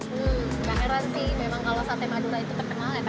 hmm gak heran sih memang kalau sate madura itu terkenalnya